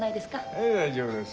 ええ大丈夫です。